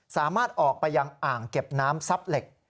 สามารถออกไปยังอ่างเก็บน้ำซับเหล็ก